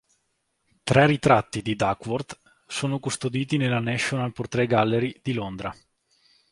Tre ritratti di Duckworth sono custoditi nella National Portrait Gallery di Londra.